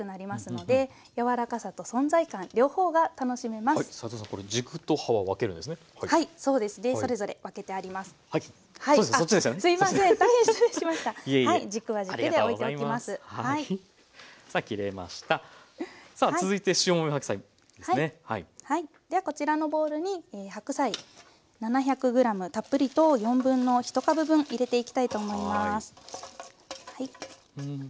ではこちらのボウルに白菜７００ｇたっぷりと1/4株分入れていきたいと思います。